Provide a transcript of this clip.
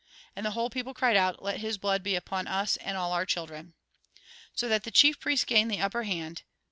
And the whole people cried out :" Let his blood be upon us and all our children." So that the chief priests gained the upper hand.